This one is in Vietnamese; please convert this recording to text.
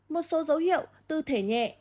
một số dấu hiệu tư thể nhẹ